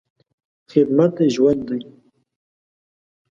خدمت ژوند دی.